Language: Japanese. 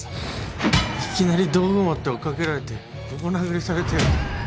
いきなり道具持って追っ掛けられてボコ殴りされてよ。